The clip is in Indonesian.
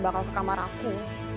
bakal ke kamar aku